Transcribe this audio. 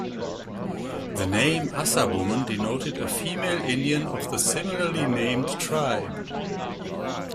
The name "Assawoman" denoted a female Indian of the similarly-named tribe.